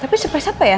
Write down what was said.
tapi surprise apa ya